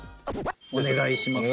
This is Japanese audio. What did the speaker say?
お願いします！